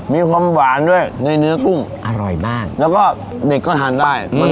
มีความหวานด้วยในเนื้อกุ้งอร่อยมากแล้วก็เด็กก็ทานได้